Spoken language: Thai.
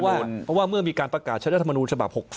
เพราะว่าเมื่อมีการประกาศรัฐธรรมนุนชบ๖๐